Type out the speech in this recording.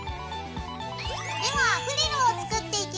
ではフリルを作っていきます。